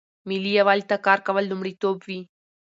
ملي یووالي ته کار کول لومړیتوب وي.